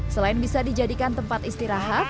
selain bisa dijadikan tempat istirahat